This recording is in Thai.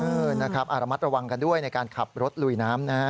อืมนะครับอารมัติระวังกันด้วยในการขับรถลุยน้ำนะ